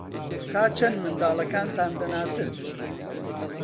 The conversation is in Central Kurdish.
تا چەند منداڵەکانتان دەناسن؟